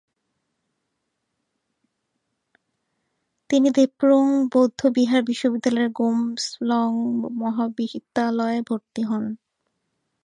তিনি দ্রেপুং বৌদ্ধবিহার বিশ্ববিদ্যালয়ের গোমস্নগ মহাবিদ্যালয়ে ভর্তি হন।